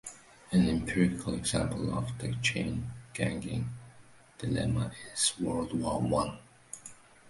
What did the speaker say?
An empirical example of the chain ganging dilemma is World War One.